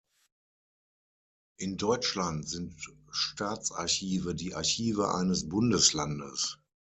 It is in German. In Deutschland sind Staatsarchive die Archive eines Bundeslandes.